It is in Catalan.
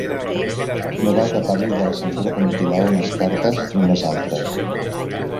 No cal que parli de la censura que mutilava unes cartes i unes altres.